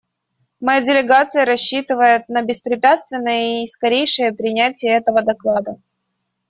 Моя делегация рассчитывает на беспрепятственное и скорейшее принятие этого доклада.